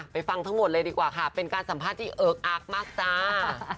ฟังทั้งหมดเลยดีกว่าค่ะเป็นการสัมภาษณ์ที่เอิกอักมากจ้า